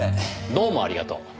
どうもありがとう。